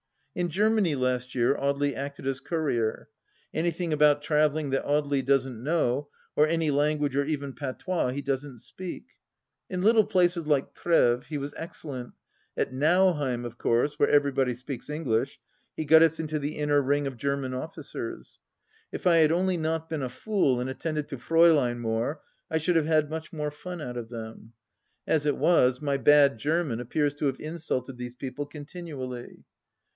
In Germany, last year, Audely acted as courier. Anything about travelling that Audely doesn't know, or any language or even patois he doesn't speak ! In little places like Treves he was excellent ; at Nauheim, of course, where everybody speaks English, he got us into the inner ring of German officers. If I had only not been a fool and attended to Fraulein more I should have had much more fun out of them. As it was, my bad German appears to have insulted these people continually.